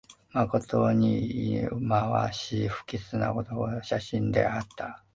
まことにいまわしい、不吉なにおいのする写真であった